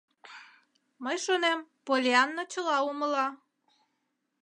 Мый шонем, Поллианна чыла умыла.